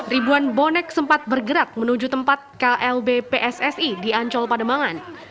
ribuan bonek sempat bergerak menuju tempat klb pssi di ancol pademangan